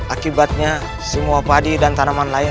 akibatnya semua padi dan tanaman lain